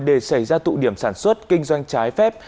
để xảy ra tụ điểm sản xuất kinh doanh trái phép